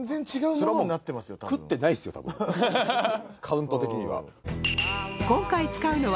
それはもう食ってないですよ多分カウント的には。